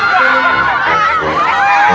masih untuk panah